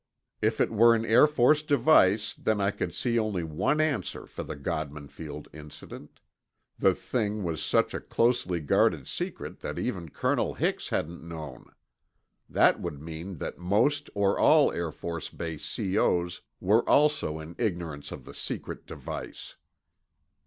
If it were an Air Force device, then I could see only one answer for the Godman Field incident: The thing was such a closely guarded secret that even Colonel Hix hadn't known. That would mean that most or all Air Force Base C.O.'s were also in ignorance of the secret device.